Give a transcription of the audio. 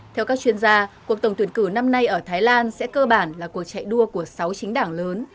theo các chuyên gia cuộc tổng tuyển cử năm nay ở thái lan sẽ cơ bản là cuộc chạy đua của sáu chính đảng lớn